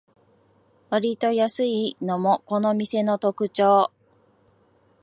わりと安いのもこの店の特長